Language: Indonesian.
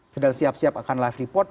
sedang siap siap akan live report